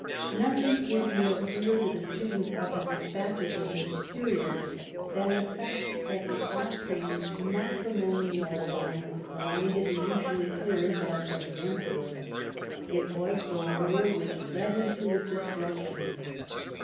Nothing is more clear to the student of the despatches of this period than the fact that the Austrian matrimonial alliance blinded the usually clear intellect of the Emperor; it w^as the lure which led him to his destruction.